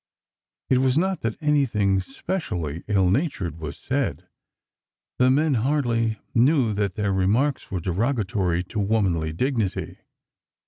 It was pot that anything specially ill natured was said ; the men hardly knew that their remarks were derogatory to womanly dignity.